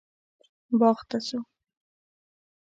باغ ته ځو